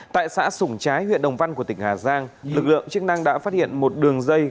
tại xã sủng trái huyện đồng văn của tỉnh hà giang lực lượng chức năng đã phát hiện một đường dây